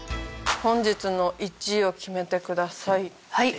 本日の１位を決めてくださいっていう。